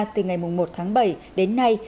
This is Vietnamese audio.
từ ngày một tháng bảy đến nay